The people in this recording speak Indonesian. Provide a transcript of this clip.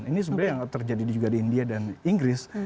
ini sebenarnya yang terjadi juga di india dan inggris